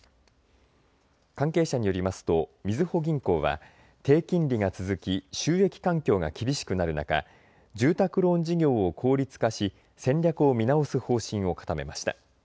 関係者によりますとみずほ銀行は低金利が続き収益環境が厳しくなる中、住宅ローン事業を効率化し戦略を見直す方針を固めました。